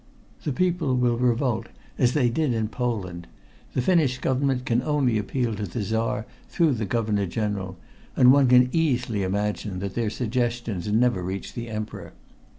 "The people will revolt, as they did in Poland. The Finnish Government can only appeal to the Czar through the Governor General, and one can easily imagine that their suggestions never reach the Emperor.